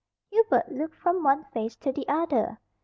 '" Hubert looked from one face to the other.